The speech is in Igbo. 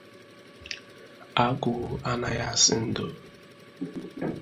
Agụụ anaghị asị ndo